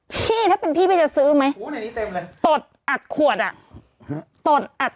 พี่ถ้าเป็นพี่พี่จะซื้อไหมตดอัดขวดอ่ะตดอัด